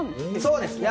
そうですね。